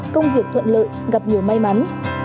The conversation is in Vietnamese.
công việc thuận lợi gặp nhiều may mắn